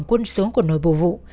quân số của nội bộ vụ